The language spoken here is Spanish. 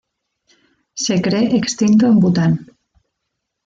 Se cree extinto en Bhutan.